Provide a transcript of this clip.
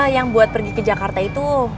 yang buat pergi ke jakarta itu